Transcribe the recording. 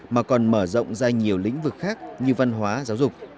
mà còn mở rộng ra nhiều lĩnh vực khác như văn hóa giáo dục